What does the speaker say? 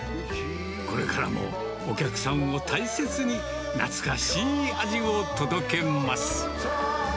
これからもお客さんを大切に、懐かしい味を届けます。